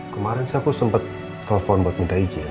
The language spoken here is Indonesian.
kemarin saya aku sempat telepon buat minta izin